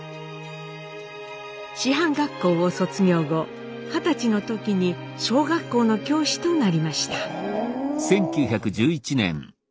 師範学校を卒業後二十歳の時に小学校の教師となりました。